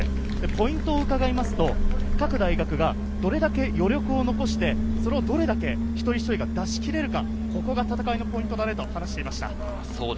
ポイントを伺うと、各大学がどれだけ余力を残して、それをどれだけ一人一人が出し切れるか、ここが戦いのポイントだねと話していました。